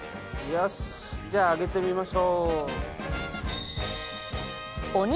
よしじゃあ上げてみましょう。